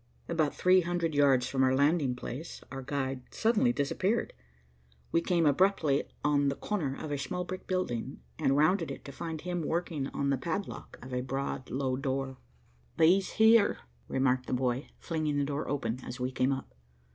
About three hundred yards from our landing place our guide suddenly disappeared; we came abruptly on the corner of a small brick building, and rounded it to find him working on the padlock of a broad, low door. "Bee's here," remarked the boy, flinging the door open as we came up.